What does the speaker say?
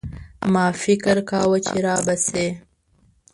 ما فکر کاوه چي رابه شي.